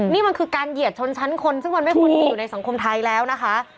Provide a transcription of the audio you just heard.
นี่มันคือการเหยียดชนชั้นคนซึ่งมันไม่ควรมีอยู่ในสังคมไทยแล้วนะคะ